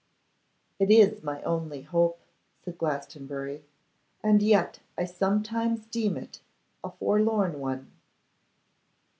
'It is my only hope,' said Glastonbury, 'and yet I sometimes deem it a forlorn one.